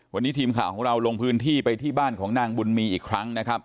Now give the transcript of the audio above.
วันนี้ทีมข่าวของเราลงพื้นที่ไปที่บ้านของนางบุญมีอีกครั้งนะครับ